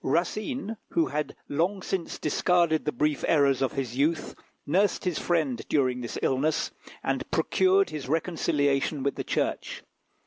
Racine, who had long since discarded the brief errors of his youth, nursed his friend during this illness, and procured his reconciliation with the Church.